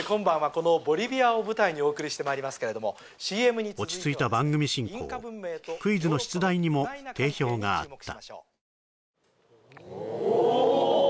このボリビアを舞台にお送りしてまいりますけれども落ち着いた番組進行クイズの出題にも定評があったおお！